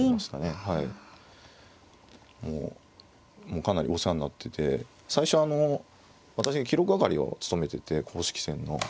もうかなりお世話になってて最初あの私が記録係を務めてて公式戦の。